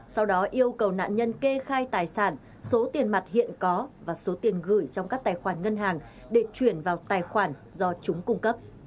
sau đó yêu cầu nạn nhân kê khai tài sản số tiền mặt hiện có và số tiền gửi trong các tài khoản ngân hàng để chuyển vào tài khoản do chúng cung cấp